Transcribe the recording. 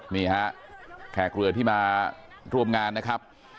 นี่ฮะแขกเรือที่มาร่วมงานนะครับ